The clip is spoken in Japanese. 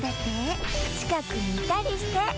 ちかくにいたりして！